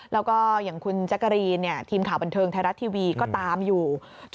แล้วก็อย่างคุณแจ๊กกะรีนทีมข่าวบันเทิงไทยรัฐทีวีก็ตามอยู่